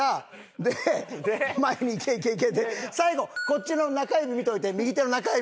で「前にいけいけいけ！」で最後こっちの中指見といて右手の中指。